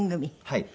はい。